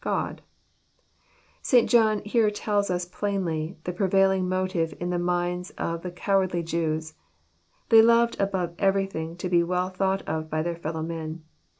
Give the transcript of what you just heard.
GodJ] St. John here tells ns plainly the prevailing motive in the minds of the cowardly Jews. They loved above everything to be well thought of by their fellow men.